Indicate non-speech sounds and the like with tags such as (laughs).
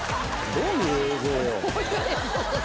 どういう映像 (laughs)